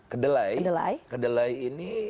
kedelai kedelai ini